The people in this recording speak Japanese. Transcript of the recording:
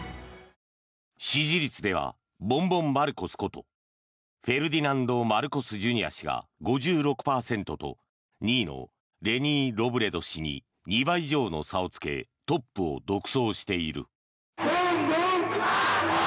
支持率ではボンボン・マルコスことフェルディナンド・マルコス・ジュニア氏が５６％と２位のレニー・ロブレド氏に２倍以上の差をつけトップを独走している。